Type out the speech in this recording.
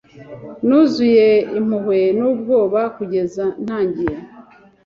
Nuzuye impuhwe n'ubwoba kugeza ntangiye